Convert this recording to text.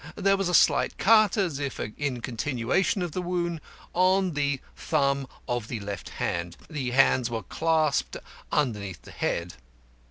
There was a slight cut, as if in continuation of the wound, on the thumb of the left hand. The hands were clasped underneath the head.